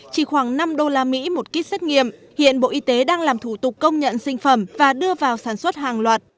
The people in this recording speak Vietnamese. chỉ khoảng năm usd một kít xét nghiệm hiện bộ y tế đang làm thủ tục công nhận sinh phẩm và đưa vào sản xuất hàng loạt